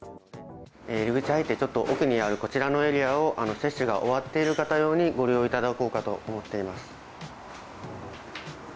入り口入って、ちょっと奥にあるこちらのエリアを、接種が終わっている方用にご利用いただこうかと思っています。